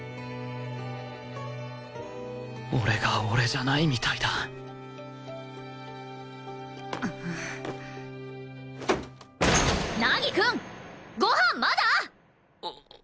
俺が俺じゃないみたいだ凪くん！ごはんまだ！？